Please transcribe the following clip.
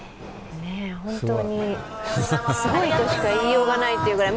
本当にすごいとしか言いようがないくらい。